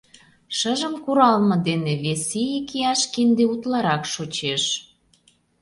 Шыжым куралме дене вес ий икияш кинде утларак шочеш.